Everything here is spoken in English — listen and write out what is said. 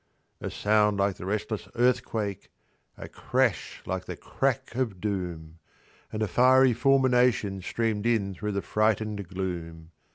A sound like the restless earthquake ! a crash like the "crack of doom"! And a fiery fulmination streamed in through the frightened gloom.